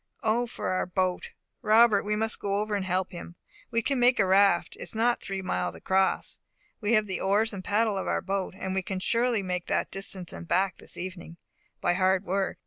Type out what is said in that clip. Oh, for our boat! Robert, we must go over and help him. We can make a raft. It is not three miles across. We have the oars and paddle of our boat, and we can surely make that distance and back this evening, by hard work.